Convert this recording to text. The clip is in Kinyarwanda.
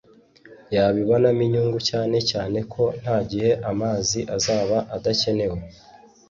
yabibonamo inyungu (cyane cyane ko nta gihe amazi azaba adakenewe)